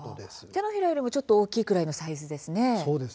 手のひらよりも少し大きいくらいのサイズですね。